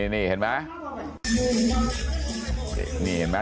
อยู่แถวตรงกำแพงนะ